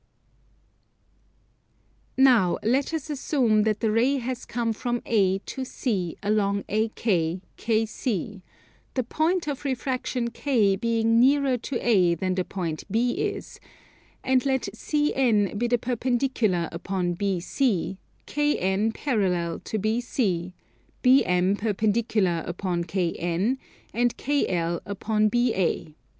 Now let us assume that the ray has come from A to C along AK, KC; the point of refraction K being nearer to A than the point B is; and let CN be the perpendicular upon BC, KN parallel to BC: BM perpendicular upon KN, and KL upon BA.